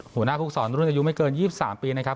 หัวหน้าภูมิสอนรุ่นอายุไม่เกิน๒๓ปีนะครับ